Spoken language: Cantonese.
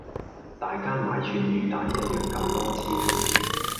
大家買串魚蛋一樣咁多錢